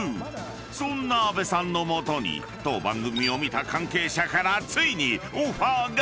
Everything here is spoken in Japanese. ［そんな阿部さんの元に当番組を見た関係者からついにオファーが！